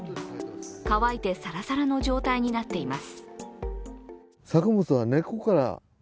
乾いてサラサラの状態になっています。